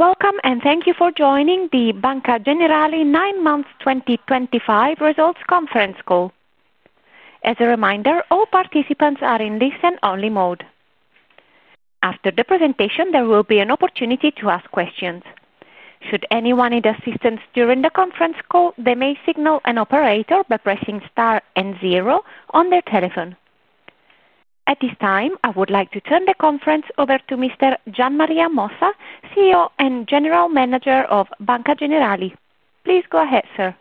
Welcome and thank you for joining the Banca Generali 9 months 2025 results conference call. As a reminder, all participants are in listen-only mode. After the presentation, there will be an opportunity to ask questions. Should anyone need assistance during the conference call, they may signal an operator by pressing star and zero on their telephone. At this time I would like to turn the conference over to Mr. Gian Maria Mossa, CEO and General Manager of Banca Generali. Please go ahead, sir.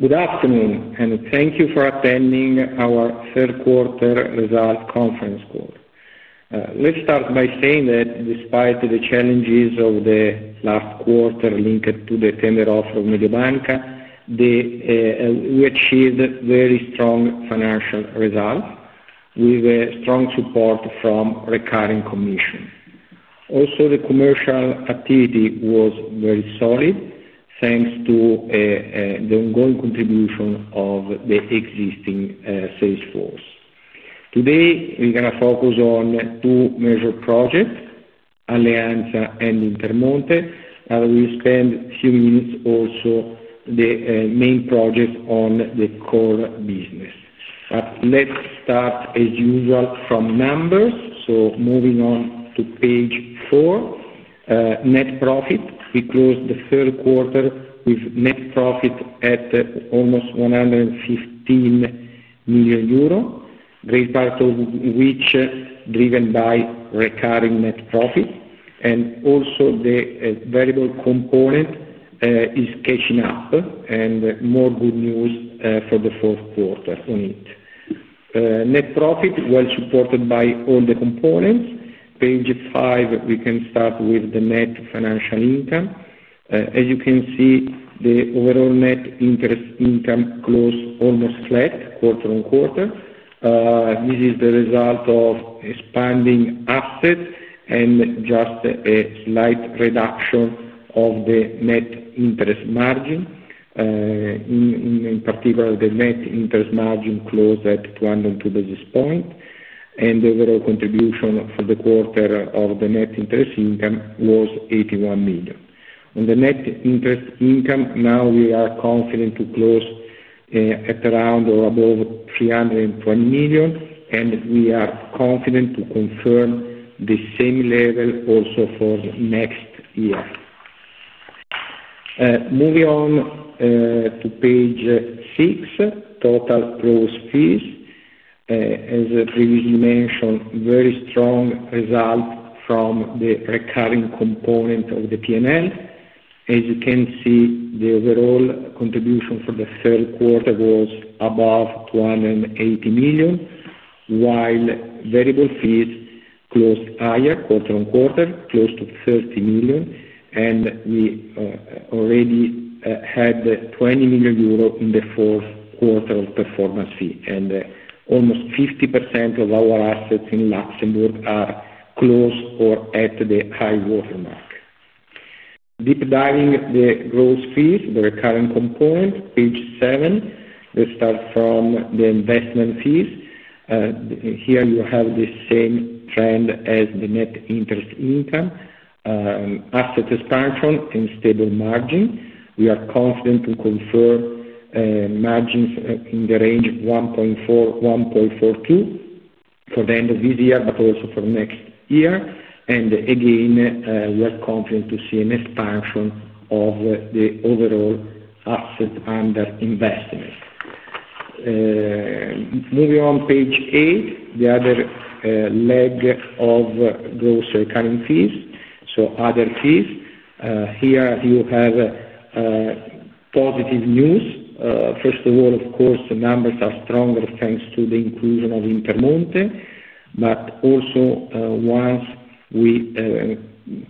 Good afternoon and thank you for attending our third quarter results conference call. Let's start by saying that despite the challenges of the last quarter linked to the tender offer of Mediobanca, we achieved very strong financial results with strong support from recurring commission. Also, the commercial activity was very solid thanks to the ongoing contribution of the existing sales force. Today we're going to focus on two major projects, Alleanza and Intermonte. I will spend a few minutes also on the main project on the core business. Let's start as usual from numbers. Moving on to net profit, we closed the third quarter with net profit at almost 115 million euro, great part of which driven by recurring net profit. Also, the variable component is catching up. More good news for the fourth quarter on net profit, well supported by all the components. Page five we can start with the net financial income. As you can see the overall net interest income closed almost flat quarter on quarter. This is the result of expanding assets and just a slight reduction of the net interest margin. In particular the net interest margin closed at 202 basis points and the overall contribution for the quarter of the net interest income was 81 million on the net interest income. Now we are confident to close at around or above 320 million and we are confident to confirm the same level also for next year. Moving on to page six, total gross fees as previously mentioned, very strong result from the recurring component of the P&L. As you can see the overall contribution for the third quarter was above 280 million while variable fees closed higher. Quarter-on-quarter close to 30 million and we already had 20 million euro in the fourth quarter of performance fee and almost 50% of our assets in Luxembourg are close or at the high water mark. Deep diving the gross fees, the current component. Page seven we start from the investment fees. Here you have the same trend as the net interest income, asset expansion and stable margin. We are confident to confer margins in the range 1.4-1.42 for the end of this year, but also for next year. We are confident to see an expansion of the overall asset under investment. Moving on page eight the other leg of gross recurring fees, so other fees. Here you have positive news. First of all of course the numbers are stronger thanks to the inclusion of Intermonte but also once we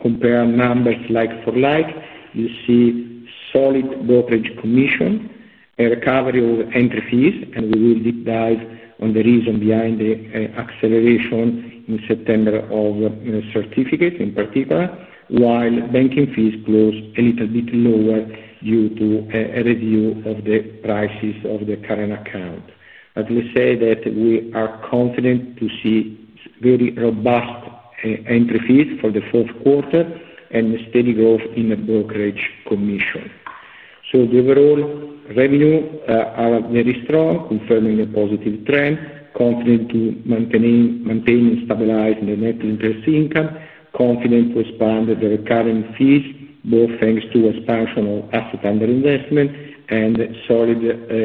compare numbers like for like you see solid brokerage commission, a recovery of entry fees, and we will deep dive on the reason behind the acceleration in September of certificate. In particular, while banking fees close a little bit lower due to a review of the prices of the current account, let me say that we are confident to see very robust entry fees for the fourth quarter and steady growth in the brokerage commission. All revenue are very strong, confirming a positive trend, confident to maintain and stabilize the net interest income, confident to expand the recurring fees, both thanks to expansion of asset under investment and solid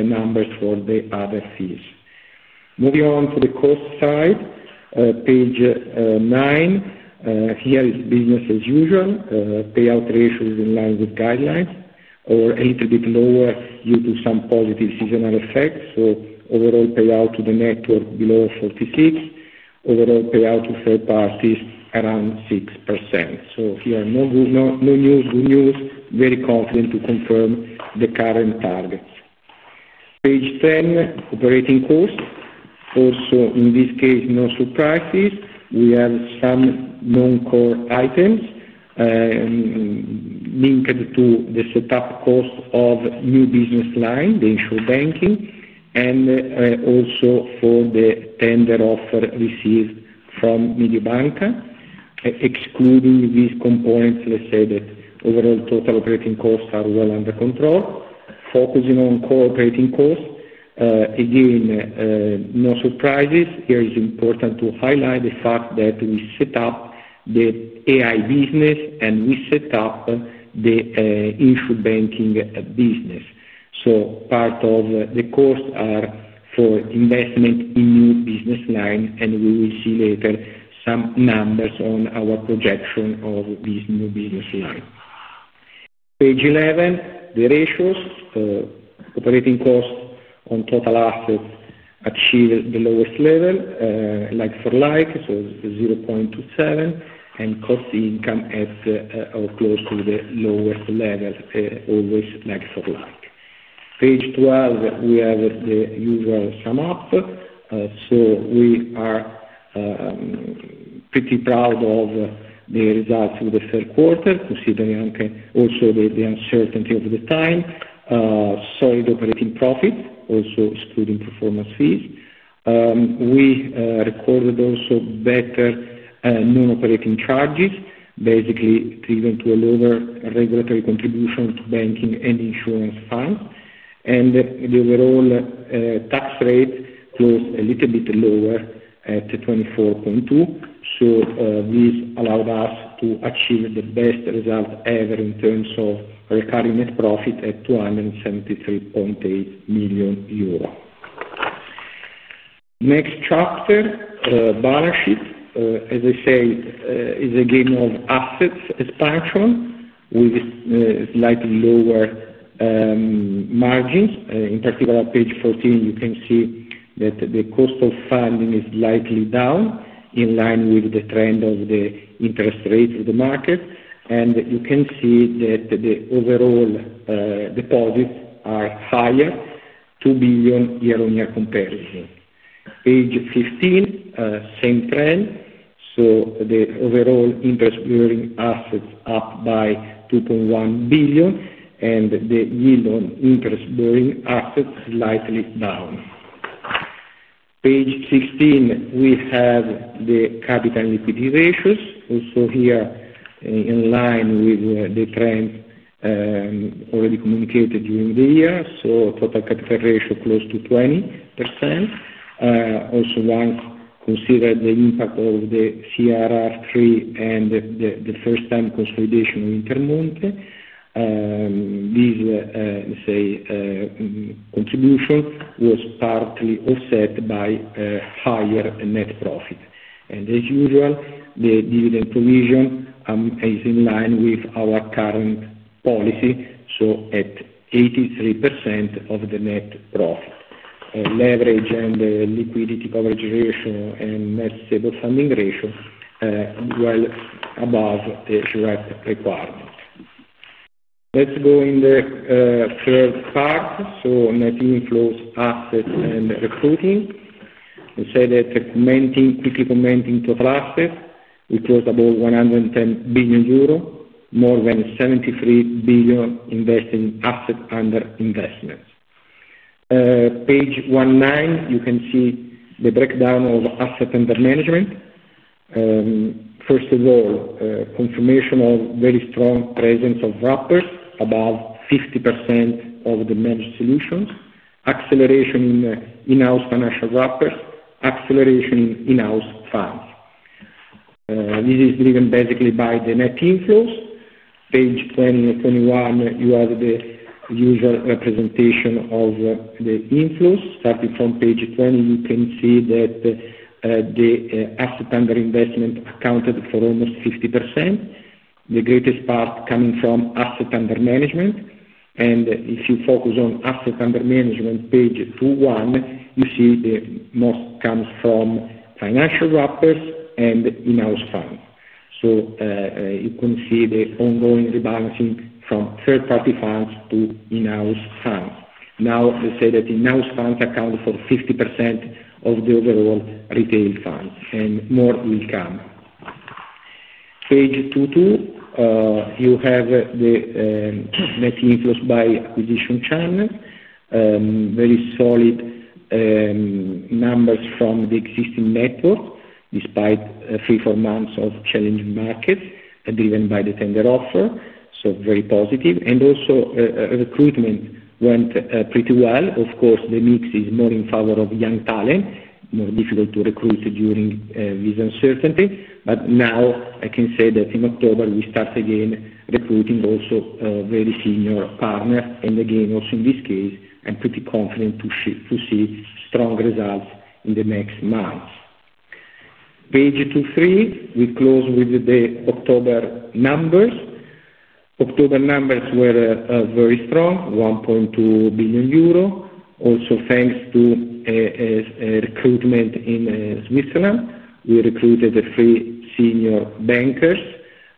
numbers for the other fees. Moving on to the cost side, page nine, here is business as usual. Payout ratio is in line with guidelines or a little bit lower due to some positive seasonal effects. Overall payout to the network below 46%, overall payout to third parties around 6%. Here, no news, good news, very confident to confirm the current targets. Page 10, operating cost, also in this case no surprises. We have some non-core items linked to the setup cost of new business line, the insured banking, and also for the tender offer received from Mediobanca. Excluding these components, let's say that overall total operating costs are well under control. Focusing on core operating costs, again, no surprises. Here it is important to highlight the fact that we set up the AI business and we set up the issue banking business, so part of the costs are for investment in new business line, and we will see later some numbers on our projection of these new business line. Page 11, the ratios operating cost on total assets achieve the lowest level like for like, so 0.23, and cost income at or close to the lowest level, always negative. Like page 12, we have the usual sum up, so we are pretty proud of the results of the third quarter considering also the uncertainty of the time. Solid operating profit also excluding performance fees. We recorded also better non operating charges, basically driven to a lower regulatory contribution to banking and insurance funds. The overall tax rate was a little bit lower at 24.2% so this allowed us to achieve the best result ever in terms of recurring net profit at 272.8 million euro. Next chapter, balance sheet, as I say, is a game of assets expansion with slightly lower margins. In particular, page 14, you can see that the cost of funding is slightly down in line with the trend of the interest rate of the market, and you can see that the overall deposits are higher, 2 billion year-on-year comparison. Page 15, same trend. The overall interest-bearing assets are up by 2.1 billion, and the yield on interest-bearing assets is slightly down. Page 16, we have the capital equity ratios, also here in line with the trend already communicated during the year. Total capital ratio close to 20%. Also once considered the impact of the CRR3 and the first time consolidation of Intermonte. This contribution was partly offset by higher nature net profit. As usual, the dividend provision is in line with our current policy, so at 83% of the net profit. Leverage and liquidity coverage ratio and net stable funding ratio well above the requirement. Let's go in the third part. Net inflows, assets and recruiting. They said that quickly. Commenting. Total asset we closed about 110 billion euro. More than 73 billion invested in assets under investments. Page 19, you can see the breakdown of assets under management. First of all, confirmation of very strong presence of wrappers above 50% of the managed solutions, acceleration in in-house financial wrappers, acceleration in in-house funds. This is driven basically by the net inflows. Page 20-21 you have the usual representation of the inflows. starting from page 20 you can see that the asset under investment accounted for almost 50%. The greatest part coming from asset under management. If you focus on asset under management page 21, you see the most comes from financial wrappers and in-house funds. You can see the ongoing rebalancing from third party funds to in-house funds. Now they say that in-house funds account for 50% of the overall retail funds. More will come. Page 22, you have the net inflows by acquisition channel. Very solid numbers from the existing network. Despite three-four months of challenging markets driven by the tender offer. Very positive. Also recruitment went pretty well. Of course the meeting is more in favor of young talent, more difficult to recruit during this uncertainty. Now I can say that in October we start again recruiting also very senior partner. Again also in this case I'm pretty confident to see strong results in the next months. Page 23, we close with the October numbers. October numbers were very strong. 1.2 billion euro. Also thanks to recruitment in Switzerland we recruited three senior bankers.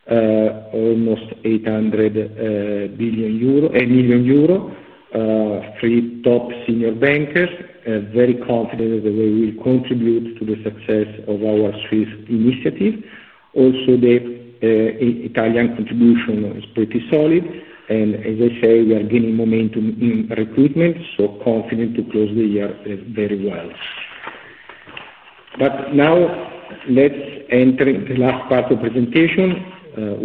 Almost 800 million euro. Three top senior bankers. Very confident that they will contribute to the success of our Swiss initiative. Also the Italian contribution is pretty solid. As I say, we are gaining momentum in recruitment. Confident to close the year very well. Now let's enter the last part of the presentation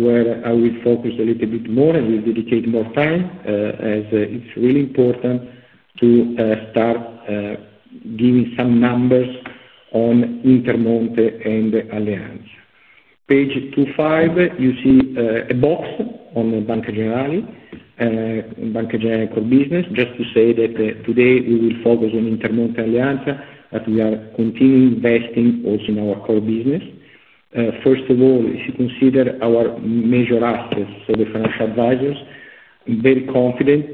where I will focus a little bit more and we'll dedicate more time as it's really important to start giving some numbers on Intermonte and Alleanza. On page 25, you see a box on Banca Generali, Banca Generali core business. Just to say that today we will focus on Intermonte, Alleanza, that we are continuing investing also in our core business. First of all, if you consider our major assets, so the financial advisors, very confident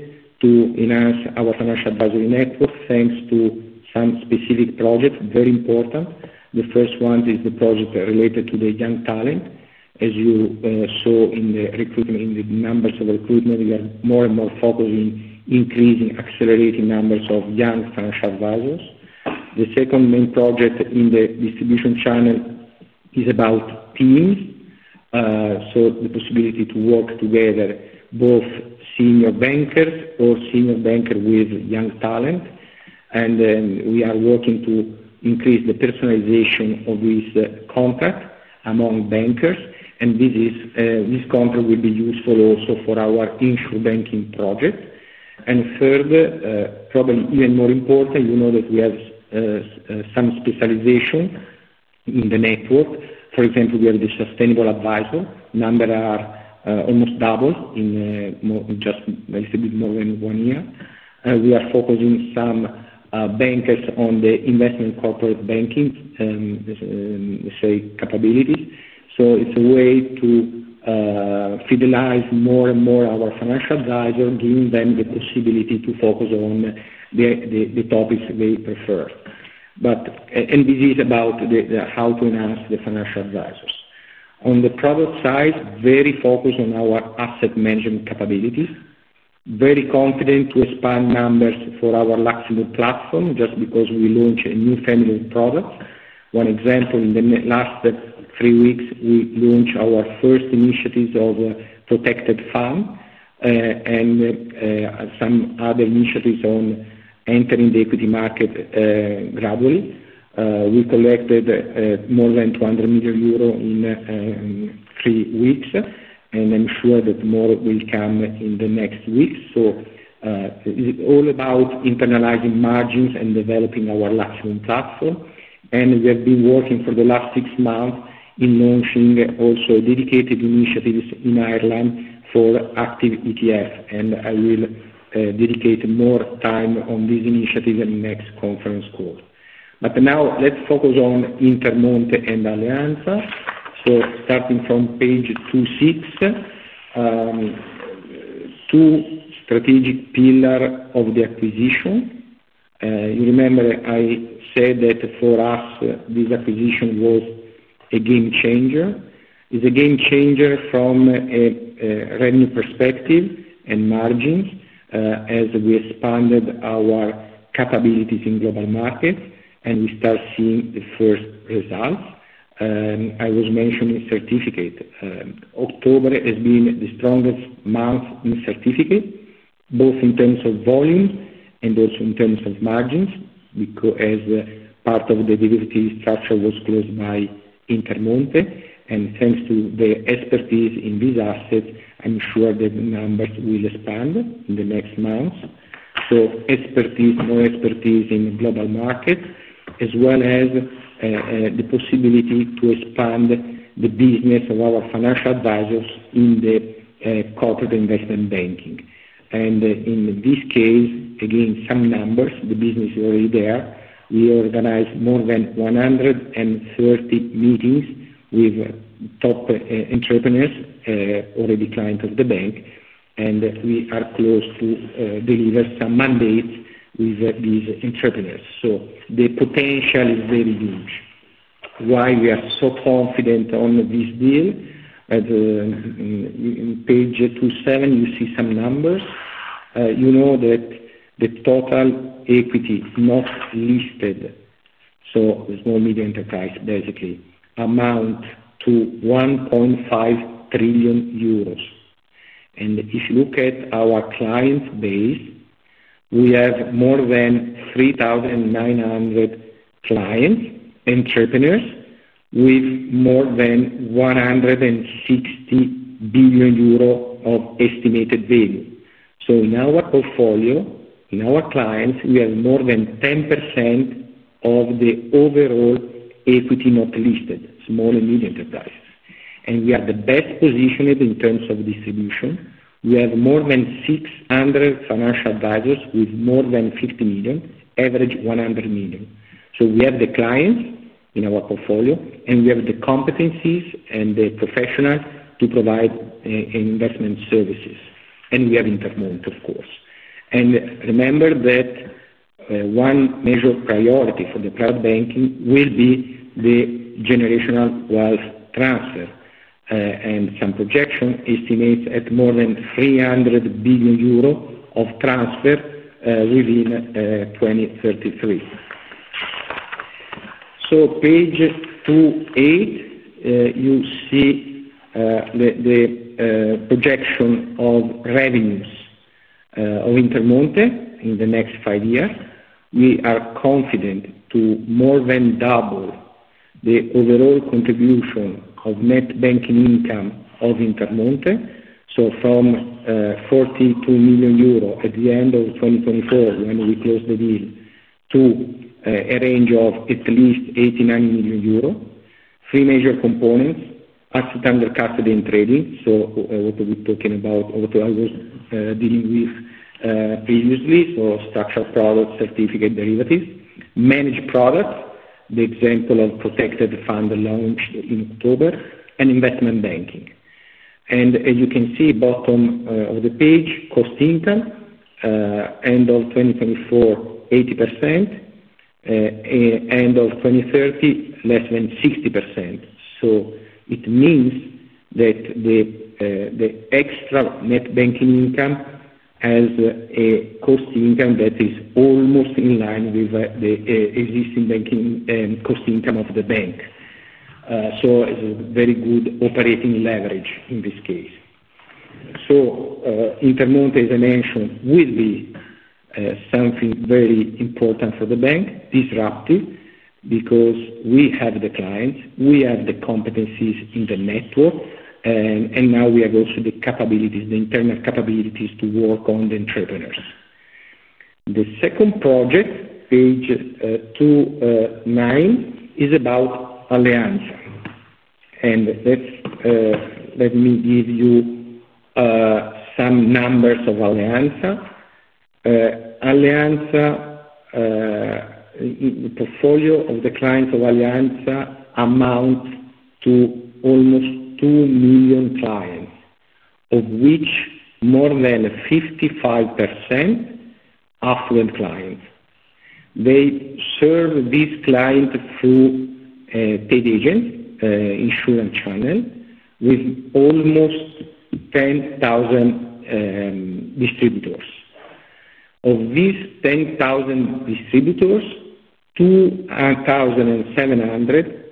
to enhance our financial advisory network thanks to some specific project, very important. The first one is the project related to the young talent. As you saw in the recruitment numbers of recruitment, we are more and more focusing, increasing, accelerating numbers of young financial advisors. The second main project in the distribution channel is about teams, so the possibility to work together, both senior bankers or senior bankers with young talent. We are working to increase the personalization of this contract among bankers. This contract will be useful also for our insure banking project. Third, probably even more important, you know that we have some specialization in the network. For example, we have the sustainable advisor number are almost double in just a bit more than one year. We are focusing some bankers on the investment corporate banking capabilities. It is a way to fidelize more and more our financial advisor, giving them the possibility to focus on the topics they prefer. This is about how to enhance the financial advisors on the product side, very focused on our asset management capabilities, very confident to expand numbers for our Lux IM platform just because we launched a new family of products. One example, in the last three weeks we launched our first initiatives of Protected Fund and some other initiatives on entering the equity market. Gradually we collected more than 200 million euro in three weeks. I am sure that more will come in the next week. It is all about internalizing margins and developing our Lux IM platform. We have been working for the last six months in launching also dedicated initiatives in Ireland for active ETF. I will dedicate more time on these initiatives in next conference call. Now, let's focus on Intermonte and Alleanza. starting from page 262, strategic pillar of the acquisition. You remember I said that for us this acquisition was a game-changer. It's a game-changer from a revenue perspective. Margins as we expanded our capabilities in global markets and we start seeing the first results I was mentioning certificate. October has been the strongest month in certificate both in terms of volume and also in terms of margins as part of the diversity structure was closed by Intermonte and thanks to the expertise in these assets, I'm sure the numbers will expand in the next months. Expertise, more expertise in global market as well as the possibility to expand the business of our financial advisors in the corporate investment banking. In this case again, some numbers, the business is already there. We organize more than 100 meetings with top entrepreneurs already client of the bank. We are close to deliver some mandates with these entrepreneurs. The potential is very huge. Why we are so confident on this deal? In page 27 you see some numbers. You know that the total equity not listed, so small and medium enterprises basically amount to 1.5 trillion euros. If you look at our client base, we have more than 3,900 clients, entrepreneurs with more than 160 billion euro of estimated value. In our portfolio, in our clients, we have more than 10% of the overall equity not listed small and medium enterprises. We are the best positioned in terms of distribution. We have more than 600 financial advisors with more than 50 million average, 100 million. We have the clients in our portfolio and we have the competencies and the professionals to provide investment services. We are Intermonte, of course. Remember that one major priority for the cloud banking will be the generational wealth transfer and some projection estimates at more than 300 billion euro of transfer within 2033. On the page you see the projection of revenues of Intermonte in the next five years. We are confident to more than double the overall contribution of net banking income of Intermonte, so from 42 million euro at the end of 2024 when we closed the deal to a range of at least 89 million euro. Three major components: asset under custody and trading. What are we talking about? What I was dealing with previously for structural products, certificate derivatives, managed product, the example of Protected Fund launch in October, and investment banking. As you can see at the bottom of the page, cost income end of 2024, 80%, end of 2030, less than 60%. It means that the extra net banking income has a cost-income that is almost in line with the existing banking cost-income of the bank. It is very good operating leverage in this case. Intermonte, as I mentioned, will be something very important for the bank, disruptive because we have the clients, we have the competencies in the network, and now we have also the capabilities, the internal capabilities to work on the entrepreneurs. The second project, page 29, is about Alleanza and let me give you some numbers of Alleanza. Alleanza, the portfolio of the clients of Alleanza amounts to almost 2 million clients, of which more than 55% are affluent clients. They serve this client through a paid agent insurance channel with almost 10,000 distributors. Of these 10,000 distributors, 2,700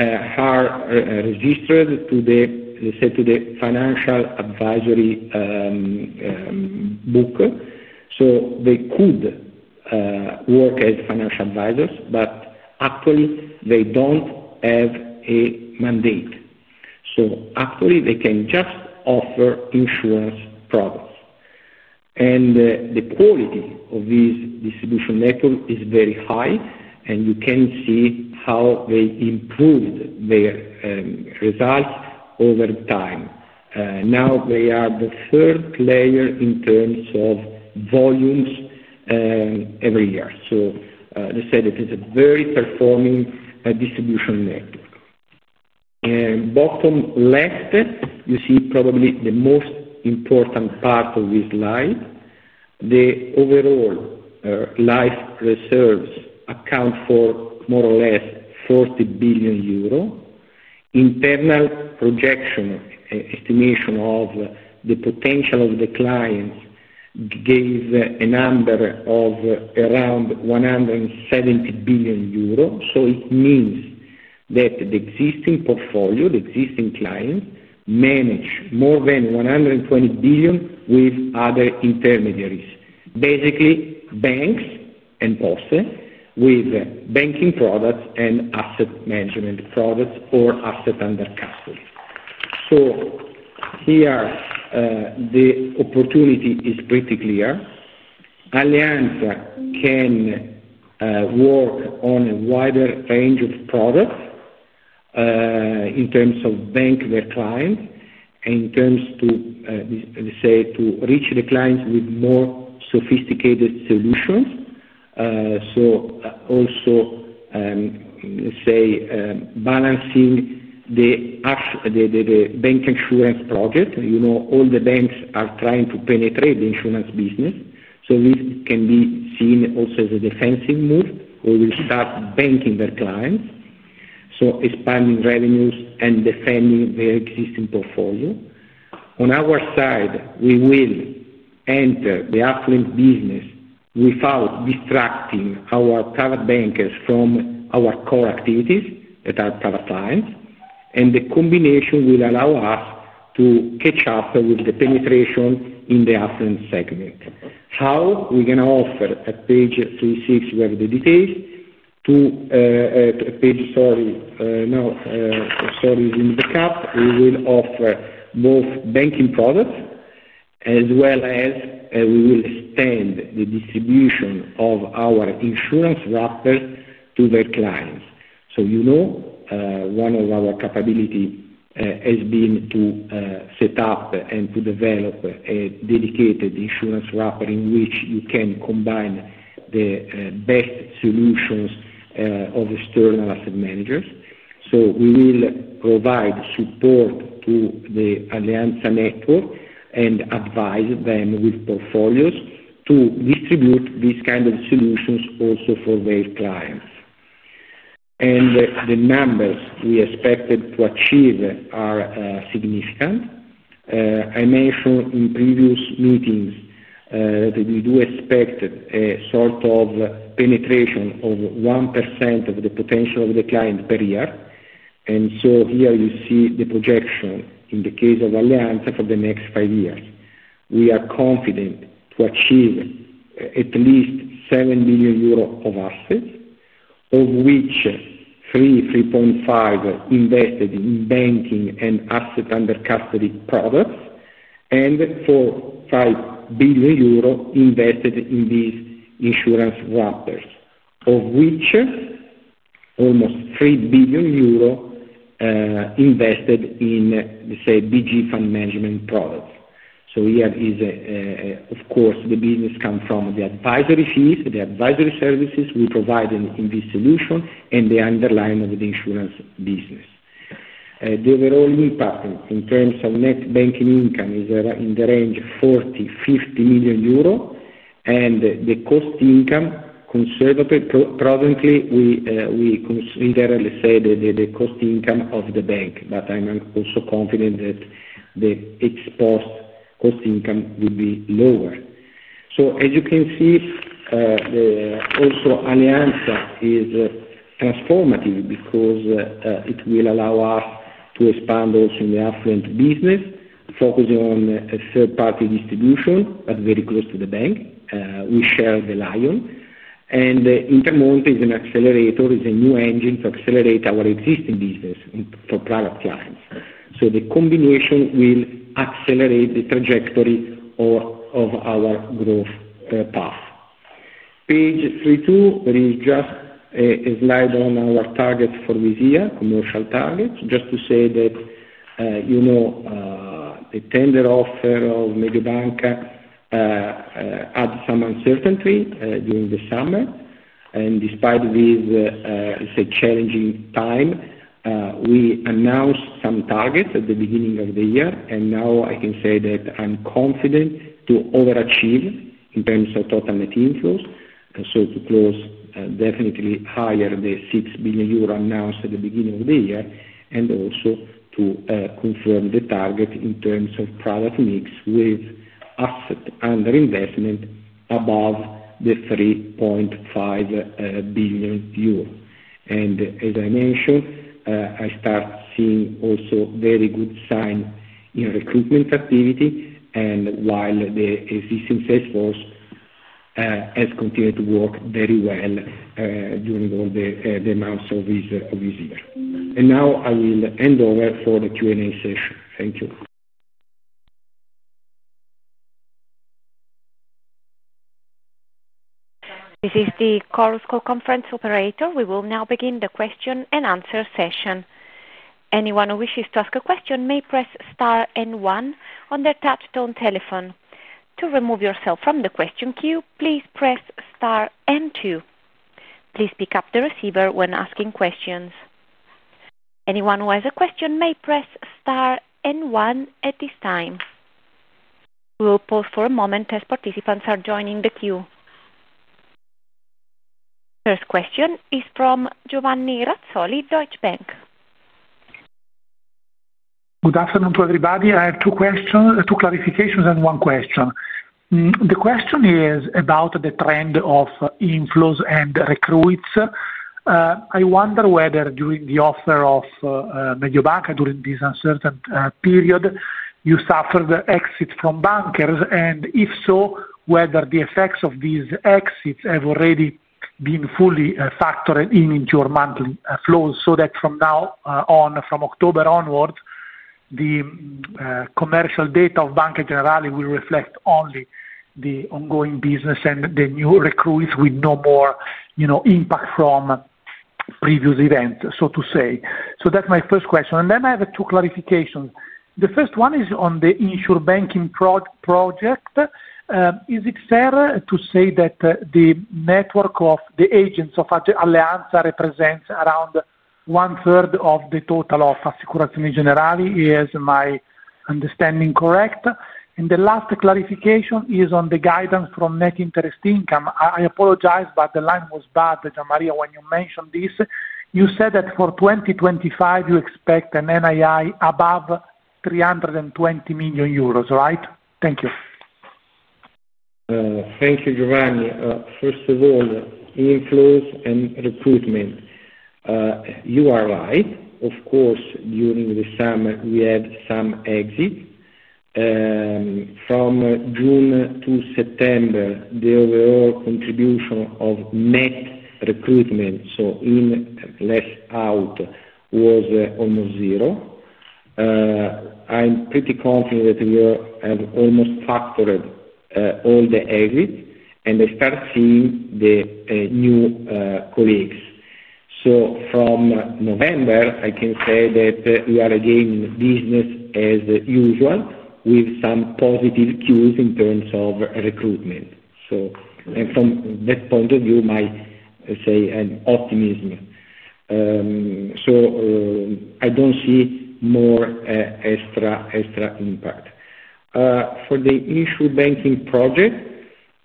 are registered to the financial advisory book, so they could work as financial advisors. Actually they do not have a mandate. Actually they can just offer insurance products. The quality of this distribution network is very high. You can see how they improved their results over time. Now they are the third layer in terms of volumes every year. They said it is a very performing distribution network. Bottom left you see probably the most important part of this slide. The overall life reserves account for more or less 40 billion euro. Internal projection estimation of the potential of the clients gave a number of around 170 billion euro. It means that the existing portfolio, the existing clients manage more than 120 billion with other intermediaries, basically banks and post with banking products and asset management products or assets under custody. Here the opportunity is pretty clear. Alleanza can work on a wider range of products in terms of bank their client in terms to say, to reach the clients with more sophisticated solutions. Also, say balancing the bank insurance project. You know, all the banks are trying to penetrate the insurance business. This can be seen also as a defensive move where we start banking their clients, expanding revenues and defending their existing portfolio. On our side, we will enter the affluent business without distracting our private bankers from our core activities that are power clients. The combination will allow us to catch up with the penetration in the affluent segment. How we can offer a page 3, 6. We have the details to page. Sorry. Now sorry is in. We will offer both banking products as well as we will extend the distribution of our insurance wrappers to their clients. You know, one of our capabilities has been to set up and to develop a dedicated insurance wrapper in which you can combine the best solutions of external asset managers. We will provide support to the Alleanza network and advise them with portfolios to distribute these kind of solutions also for their clients. The numbers we expected to achieve are significant. I mentioned in previous meetings that we do expect a sort of penetration of 1% of the potential of the client per year. Here you see the projection. In the case of Alleanza for the next five years we are confident to achieve at least 7 billion euros of assets, of which 3.35 billion invested in banking and assets under custody products and 4.5 billion euro invested in these insurance wrappers, of which almost 3 billion euro invested in, say, BG Fund Management products. Here is, of course, the business come from the advisory fees, the advisory services we provide in this solution and the underlying of the insurance business. The overall impact in terms of net banking income is in the range 40 million-50 million euro. The cost income conservative. Presently we consider the cost income of the bank. I am also confident that the exposed cost income will be lower. As you can see, also, unanswered is transformative because it will allow us to expand also in the affluent business focusing on a third party distribution. Very close to the bank, we share [RelyOn], and Intermonte is an accelerator, is a new engine to accelerate our existing business for product lines. The combination will accelerate the trajectory of our growth path. Page 32, there is just a slide on our targets for this year, commercial targets. Just to say that, you know, the tender offer of Mediobanca had some uncertainty during the summer and despite this challenging time, we announced some targets at the beginning of the year. I can say that I'm confident to overachieve in terms of total net inflows, to close definitely higher than the 6 billion euro announced at the beginning of the year, and also to confirm the target in terms of product mix with assets under investment above the 3.5 billion euro. As I mentioned, I start seeing also very good signs in recruitment activity, while the existing salesforce has continued to work very well during all the months of this year. Now I will hand over for the Q&A session. Thank you. This is the Coruscal conference operator. We will now begin the question-and-answer session. Anyone who wishes to ask a question may press star and one on their touchtone telephone. To remove yourself from the question queue, please press star and two. Please pick up the receiver when asking questions. Anyone who has a question may press star and one. At this time we will pause for a moment as participants are joining the queue. First question is from Giovanni Razzoli, Deutsche Bank. Good afternoon to everybody. I have two questions, two clarifications and one question. The question is about the trend of inflows and recruits. I wonder whether during the offer of Mediobanca during this uncertain period you suffered exit from bankers and if so, whether the effects of these exits have already been fully factored in into your monthly flows so that from now on, from October onwards, the commercial data of Banca Generali will reflect only the ongoing business and the new recruits, with no more impact from previous events. So to say. That's my first question and then I have two clarifications. The first one is on the insure banking project. Is it fair to say that the network of the agents of Alleanza represents around one third of the total of Assicurazioni Generali? Is my understanding correct? The last clarification is on the guidance from net interest income. I apologize, but the line was bad. Maria, when you mentioned this, you said that for 2025 you expect an NII above 320 million euros, right? Thank you. Thank you, Giovanni. First of all, inflows and recruitment. You are right, of course. During the summer we had some exit. From June to September the overall contribution of net recruitment, so in less out, was almost zero. I'm pretty confident that we have almost factored all the exits and I start seeing the new colleagues. From November I can say that we are again in business as usual with some positive cues in terms of recruitment. From that point of view, my say optimism. I do not see more extra impact for the issue banking project.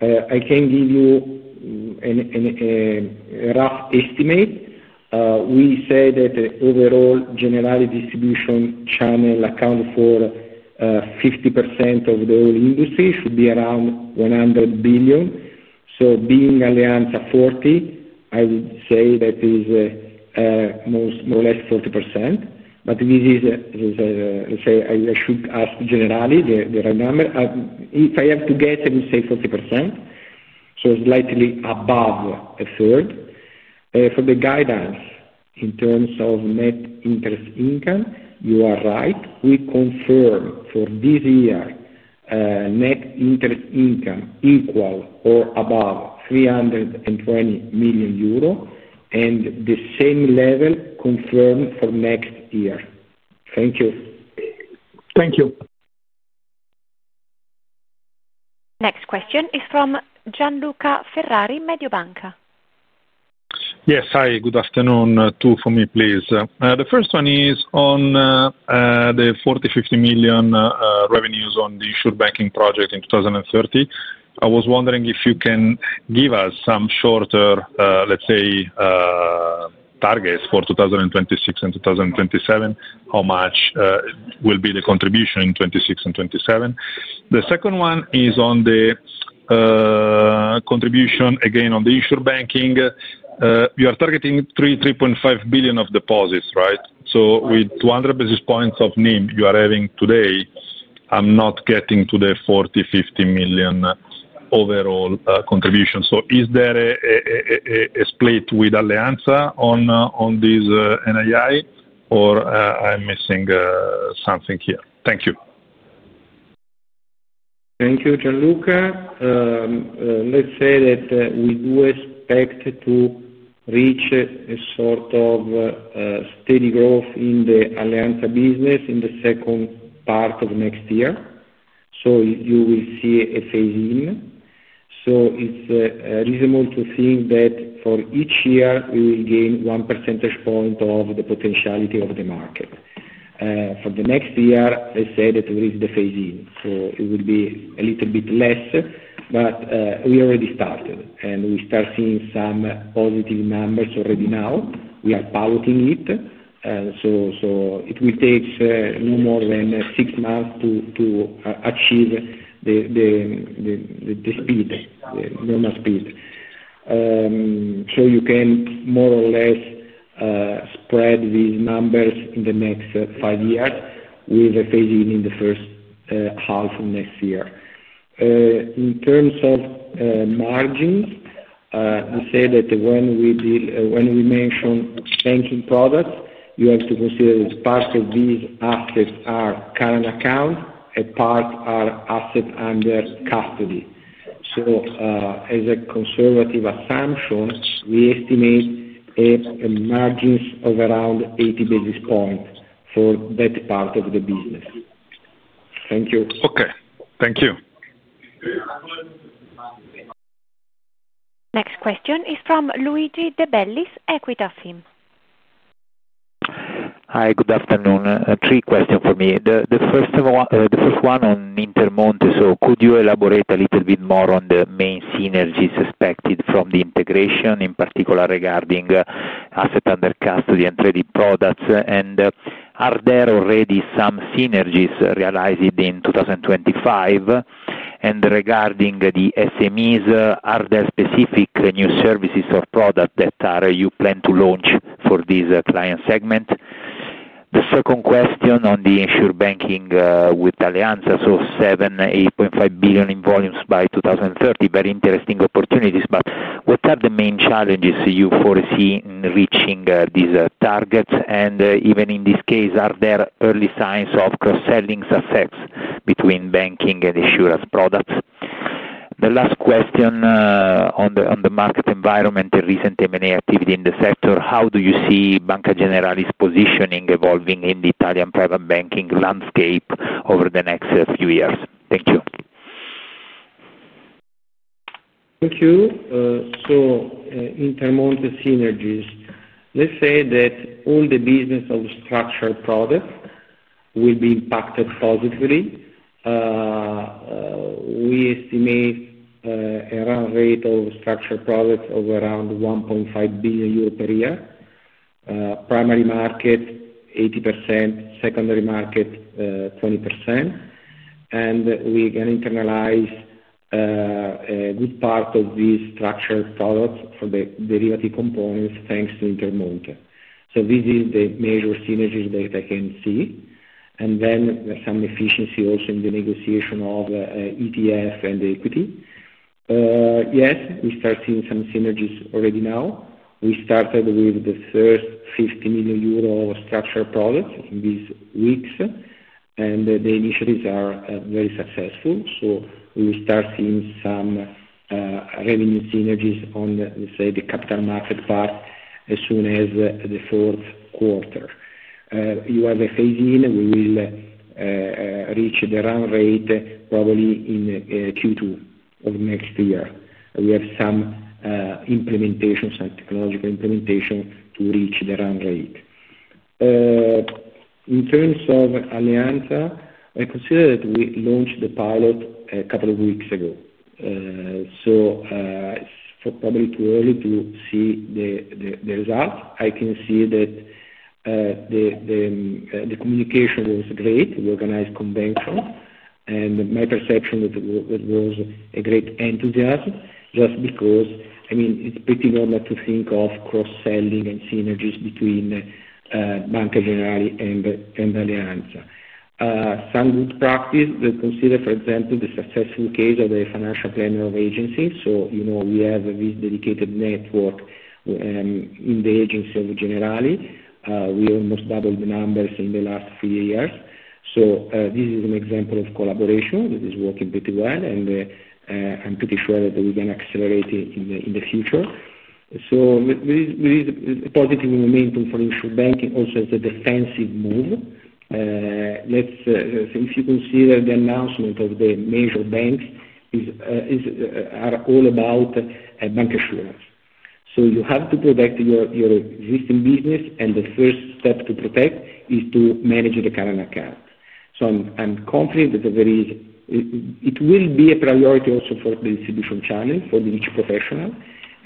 I can give you a rough estimate. We say that overall general distribution channel account for 50% of the whole industry, should be around 100 billion. Being Alleanza 40, I would say that is more or less 40%. This is, I should ask generally the regulatory number. If I have to guess, I would say 40%. Slightly above a third for the guidance in terms of net interest income. You are right. We confirm for this year net interest income equal or above 320 million euro. The same level confirmed for next year. Thank you. Thank you. Next question is from Gian Luca Ferrari Mediobanca. Yes. Hi, good afternoon. Two for me, please. The first one is on the 40 million-50 million revenues on the issued banking project in 2030. I was wondering if you can give us some shorter, let's say, targets for 2026 and 2027. How much will be the contribution in 2026 and 2027? The second one is on the contribution. Again on the issued banking, you are targeting 3 billion-3.5 billion of deposits, right? With 200 basis points of NIM you are having today, I am not getting to the 40 million-50 million overall contribution. Is there a split with Alleanza on or am I missing something here? Thank you. Thank you. Gianluca. Let's say that we do expect to reach a sort of steady growth in the Alleanza business in the second part of next year. You will see a phase in. It's reasonable to think that for each year we will gain 1 percentage point view of the potentiality of the market for the next year. They said that there is the phase in, so it will be a little bit less. We already started and we start seeing some positive numbers already now. We are piloting it, so it will take no more than six months to achieve the speed. You can more or less spread these numbers in the next five years with a phase in the first half of next year. In terms of margins, to say that when we mention banking products, you have to consider that part of these assets are current account, a part are accounting asset under custody. So as a conservative assumption, we estimate margins of around 80 basis points for that part of the business. Thank you. Okay, thank you. Next question is from Luigi de Bellis Equita SIM. Hi, good afternoon. Three questions for me. The first one on Intermonte. Could you elaborate a little bit more on the main synergies expected from the integration? In particular regarding assets under custody and traded products? Are there already some synergies realized in 2025? Regarding the SMEs, are there specific new services or products that you plan to launch for these client segments? The second question on the insured banking with Alleanza. 7 billion-8.5 billion in volumes by 2030. Very interesting opportunity. What are the main challenges you foresee in reaching these targets? Even in this case, are there early signs of cross selling effects between banking and insurance products? The last question on the market environment, the recent M&A activity in the sector. How do you see Banca Generali's positioning evolving in the Italian private banking landscape over the next few years? Thank you. Thank you. So, Intermonte synergies. Let's say that all the business of structured products will be impacted positively. We estimate a run rate of structured products of around 1.5 billion euro per year. Primary market 80%, secondary market 20%. And we can internalize a good part of these structured products for the derivative components thanks to Intermonte. This is the major synergies that I can see and then some efficiency also in the negotiation of ETF and equity. Yes, we start seeing some synergies already now. We started with the first 50 million euro structured products in these weeks and the initiatives are very successful. We start seeing some revenue synergies on, say, the capital market part as soon as the fourth quarter you are the phase in. We will reach the run rate probably in Q2 of next year. We have some implementations and technological implementation to reach the run rate. In terms of Alleanza, I consider that we launched the pilot a couple of weeks ago. Probably too early to see the results. I can see that the communication was great, we organized convention and my perception was a great enthusiasm. Just because, I mean, it's pretty normal to think of cross selling and synergies between Banca Generali and Alleanza, some good practice. Consider for example the successful case of the financial planner of agencies. You know, we have this dedicated network in the agency of Generali. We almost doubled the numbers in the last few years. This is an example of collaboration that is working pretty well and I'm pretty sure that we can accelerate it in the future. There is positive momentum for banking. Also as a defensive move. If you consider the announcement of the major banks are all about bancassurance. You have to protect your existing business. The first step to protect is to manage the current account. I'm confident that it will be a priority also for the distribution channel for the niche professional.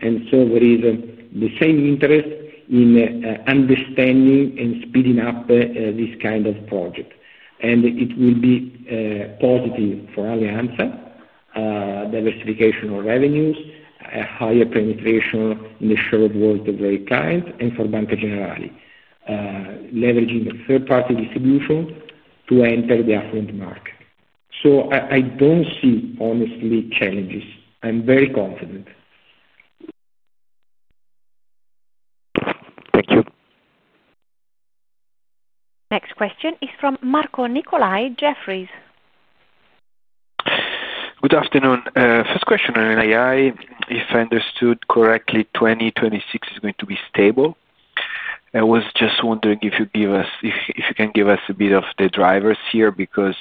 There is the same interest in understanding and speeding up this kind of project. It will be positive for Alleanza, a diversification of revenues, a higher penetration in the share of world of very client, and for Banca Generali leveraging a third party distribution to enter the affluent market. I do not see honestly challenges. I'm very confident. Thank you. Next question is from Marco Nicolai Jefferies. Good afternoon. First question on NII. If I understood correctly, 2026 is going to be stable. I was just wondering if you give us, if you can give us a bit of the drivers here because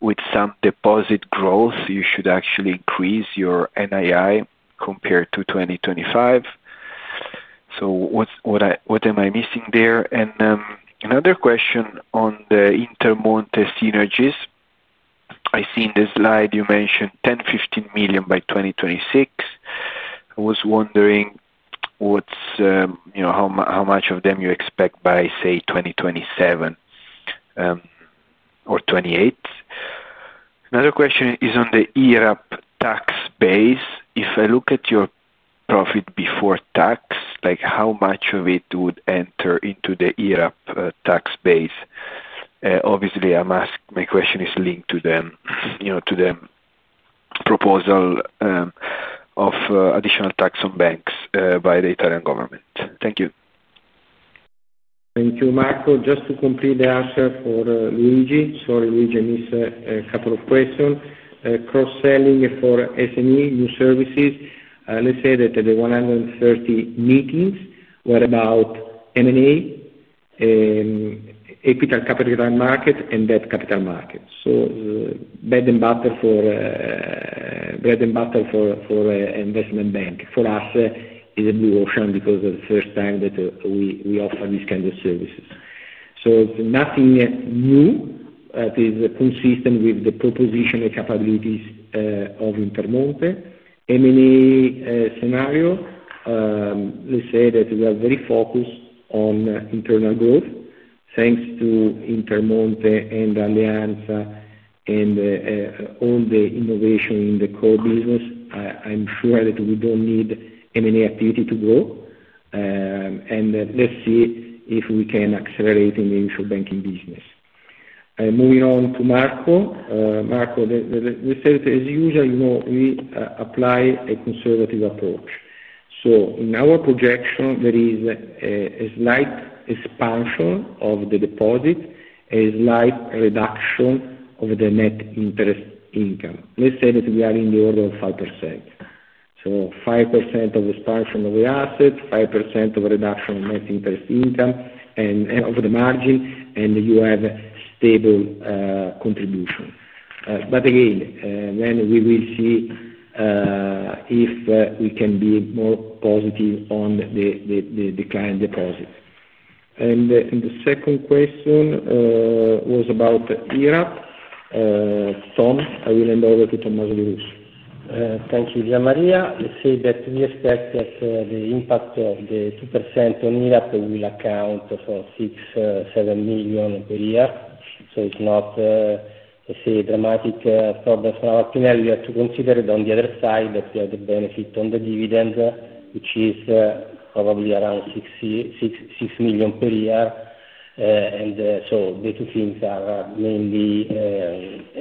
with some deposit growth you should actually increase your NII compared to 2025. What am I missing there? Another question on the Intermonte synergies, I see in this slide you mentioned 10 million-15 million by 2026. I was wondering, you know, how much of them you expect by, say, 2027 or 2028. Another question is on the IRAP tax base. If I look at your profit before tax, how much of it would enter into the IRAP tax base? Obviously, my question is linked to the proposal of additional tax on banks by the Italian government. Thank you. Thank you. Marco. Just to complete the answer for Luigi. So Luigi missed a couple of questions. Cross selling for SME new services. Let's say that the 130 meetings were about M&A, capital market, and debt capital market. So bread and butter for investment bank for us is a blue ocean. Because the first time that we offer these kind of services, so nothing new that is consistent with the proposition and capabilities of Intermonte. M&A scenario. Let's say that we are very focused on internal growth thanks to Intermonte and Alleanza and all the innovation in the core business. I'm sure that we don't need many activity to grow and let's see if we can accelerate in the insurer banking business. Moving on to Marco. Marco, as usual, you know, we apply a conservative approach. In our projection there is a slight expansion of the deposit, a slight reduction of the net interest income. Let's say that we are in the order of 5%. So 5% of expansion of the asset, 5% of reduction of net interest income of the margin and you have stable contribution. Again, we will see if we can be more positive on the decline deposit. The second question was about Iraq. Tom, I will hand over to Tom Di Russo. Thank you. Gian Maria. Let's say that we expect that the impact of the 2% on IRAP will account for 6 million-7 million per year. It is not a dramatic progress for our P&L. You have to consider on the other side that we have the benefit on the dividend, which is probably around 6 million per year. The two things are mainly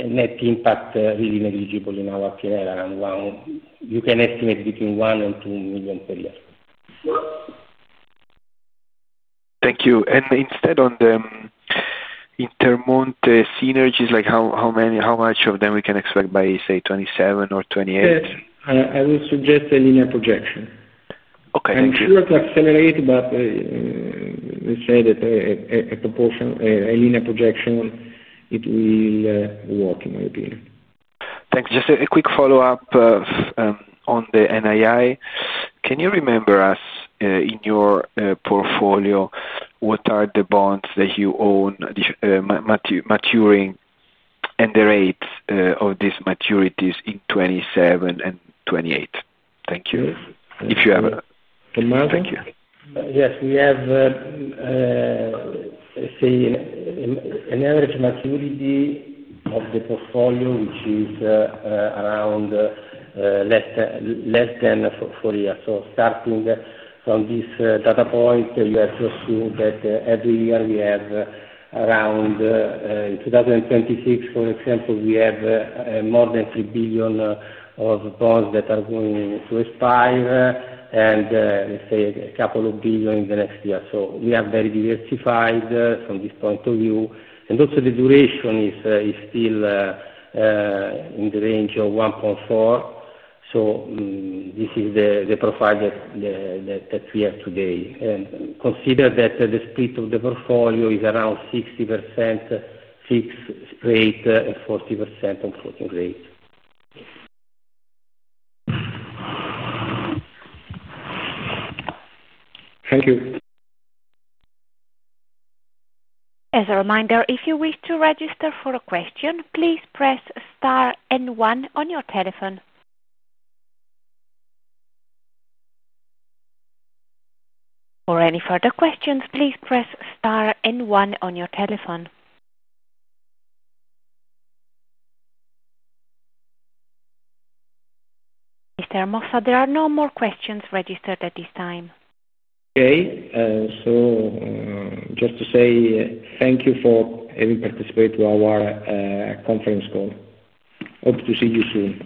net impact, really negligible in our P&L, around 1 million, you can estimate between 1 million and 2 million. Thank you. Instead, on the Intermonte synergies, like how many, how much of them we can expect by, say, 2027 or 2028. I will suggest a linear projection. Okay, I'm sure to accelerate, but we say that a proportion, a linear projection, it will work in my opinion. Thanks. Just a quick follow-up on the NII. Can you remind us in your portfolio, what are the bonds that you own maturing and the rate of these maturities in 2027 and 2028? Thank you. If you have. Thank you. Yes, we have. Seen an average maturity. Of the portfolio, which is around less than four years. starting from this data point, you have to assume that every year we have around 2026, for example, we have more than 3 billion of bonds that are going to expire and, let's say, a couple of billion in the next year. We are very diversified from this point of view. Also, the duration is still in the range of 1.4. This is the profile that we have today. Consider that the split of the portfolio is around 60% fixed rate and 40% on floating rate. Thank you. As a reminder, if you wish to register for a question, please press star and one on your telephone. For any further questions, please press star and one on your telephone. Mr. Mossa. There are no more questions registered at this time. Okay, so just to say thank you for having participated to our conference call. Hope to see you soon.